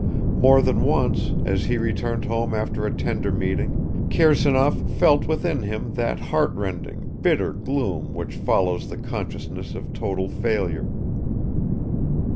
More than once, as he returned home after a tender meeting, Kirsanov felt within him that heart rending, bitter gloom which follows the consciousness of total failure.